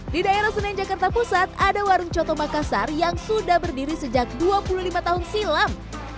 di daerah senen jakarta pusat ada warung coto makassar yang sudah berdiri sejak dua puluh lima tahun silam